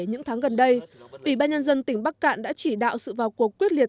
những tháng gần đây ủy ban nhân dân tỉnh bắc cạn đã chỉ đạo sự vào cuộc quyết liệt